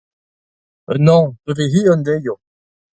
an hañv pa vez hir an deizioù.